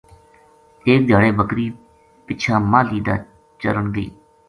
ایک دھیاڑے بکری پِچھاں ماہلی دا چرن گئی